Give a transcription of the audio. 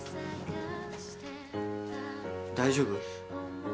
大丈夫？